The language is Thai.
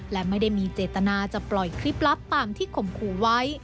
และไม่ได้มีเจตนาจะปล่อยคลิปลับตามที่ข่มขู่ไว้